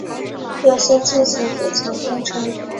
优先进行补强工程